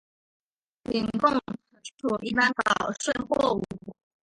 仅供存储一般保税货物。